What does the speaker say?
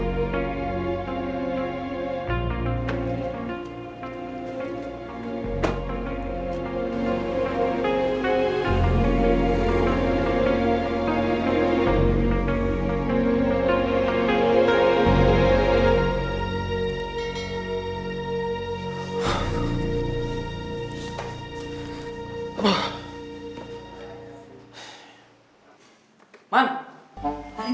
sekarang sudah beli